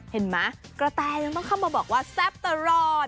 เห็นไหมกระแตยังต้องเข้ามาบอกว่าแซ่บตลอด